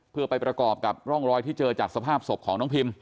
เพื่อไปประกอบกับร่องรอยที่เจอจากสภาพศพของน้องพิม